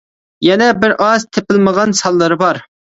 يەنە بىر ئاز تېپىلمىغان سانلىرى بار.